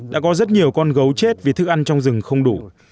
đã có rất nhiều con gấu chết vì thức ăn trong rừng không đủ